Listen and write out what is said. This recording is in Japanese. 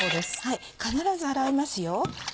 必ず洗いますよ。